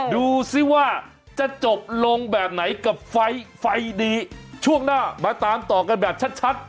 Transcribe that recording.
ดูสิว่าจะจบลงแบบไหนกับไฟไฟดีช่วงหน้ามาตามต่อกันแบบชัด